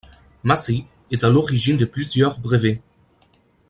Massey est à l'origine de plusieurs brevets.